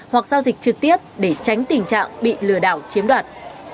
hoặc giao dịch trực tiếp để tránh tình trạng bị lừa đảo chiếm đoạt